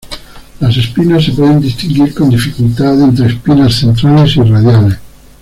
Las espinas se pueden distinguir con dificultad entre espinas centrales y radiales.